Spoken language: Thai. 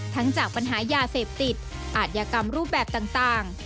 จากปัญหายาเสพติดอาทยากรรมรูปแบบต่าง